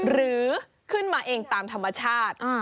หรือขึ้นมาเองตามธรรมชาติ